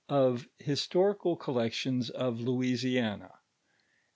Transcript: of lliHtorieai Collection! of Louisiana.